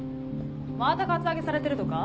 またカツアゲされてるとか？